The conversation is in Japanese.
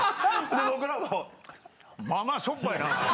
で僕らも「まぁまぁしょっぱいな」。